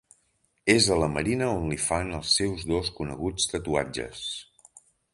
És a la marina on li fan els seus dos coneguts tatuatges.